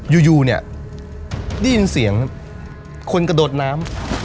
ยูแบบเงียบนี้ได้ยินเสียงคนกระโดดน้ำ